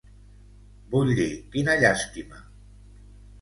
Vull dir, quina llàstima!